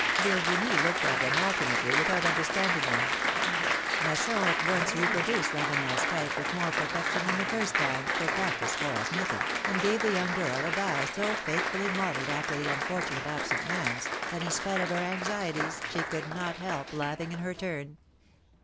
Virginie looked at them alternately, without under standing them. Masson at once reproduced LaveneFs type with more perfection than the first time, for practice spoils nothing, and gave the young girl a bow so faithfully modelled after the unfortunate absent man's, that, in spite of her anxieties, she could not help laughing in her turn.